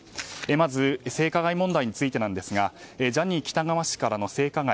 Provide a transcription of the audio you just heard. まず、性加害問題についてなんですがジャニー喜多川氏からの性加害。